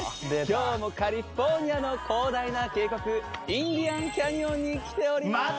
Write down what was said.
今日もカリフォルニアの広大な渓谷インディアンキャニオンに来ております